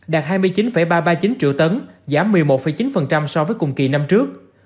đạt hai mươi chín ba trăm ba mươi chín triệu tấn giảm một mươi một chín so với cùng kỳ năm trước